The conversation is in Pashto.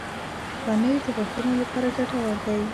پنېر د غاښونو لپاره ګټور دی.